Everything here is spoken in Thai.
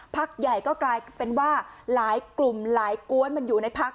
พักใหญ่ก็กลายเป็นว่าหลายกลุ่มหลายกวนมันอยู่ในพัก